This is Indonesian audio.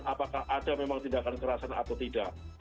apakah ada memang tindakan kerasan atau tidak